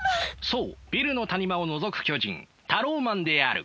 そうビルの谷間をのぞく巨人タローマンである。